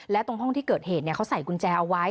และตรงห้องที่เกิดเหตุเขาใส่กุญแจเอาไว้